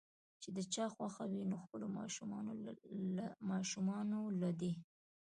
چې د چا خوښه وي نو خپلو ماشومانو له دې